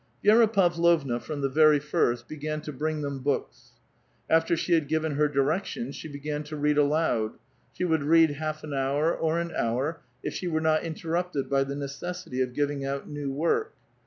Vi^ra PavloVna, from the very lirst, began to bring them books. After she had given her directions she began to read aloud. She would read lialf an hour, or an liour, if she were not interrupted by the necessity of giving out new work.